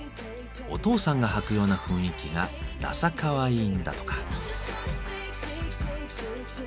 お父さんが履くような雰囲気がダサかわいいんだとか。